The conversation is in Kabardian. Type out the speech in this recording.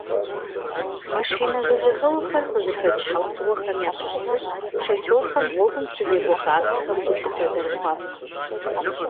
Машинэ зэжьыхэуэхэр къызыхэкӏ щхьэусыгъуэхэм ящыщ зыщ шоферхэм гъуэгум щызекӏуэ хабзэхэм гулъытэ зэрыхуамыщӏыр.